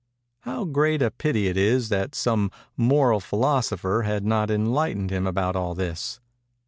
How great a pity it is that some 'moral philosopher' had not enlightened him about all this!